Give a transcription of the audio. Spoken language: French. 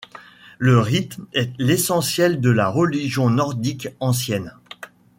Le rite est l'essentiel de la religion nordique ancienne.